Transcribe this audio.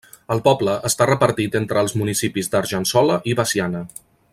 El poble està repartit entre els municipis d'Argençola i Veciana.